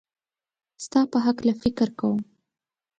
ستا په هکله فکر کوم